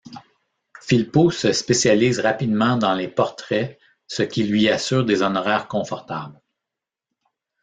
Philpot se spécialise rapidement dans les portraits, ce qui lui assure des honoraires confortables.